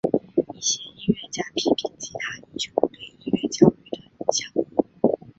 一些音乐家批评吉他英雄对音乐教育的影响。